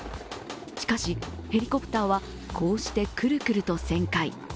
しかしヘリコプターはこうしてくるくると旋回。